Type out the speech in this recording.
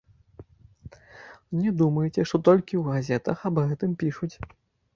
Не думайце, што толькі ў газетах аб гэтым пішуць.